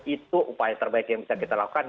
itu upaya terbaik yang bisa kita lakukan